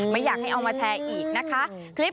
ไม่อยากให้เอามาแชร์อีกนะคะ